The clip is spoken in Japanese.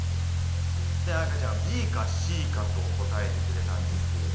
で彩歌ちゃんＢかＣかと答えてくれたんですけれども。